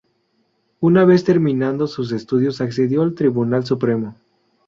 Una vez terminado sus estudios accedió al Tribunal Supremo.